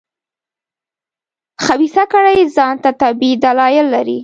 خبیثه کړۍ ځان ته طبیعي دلایل لري.